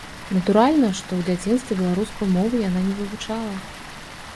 Натуральна, што ў дзяцінстве беларускую мову яна не вывучала.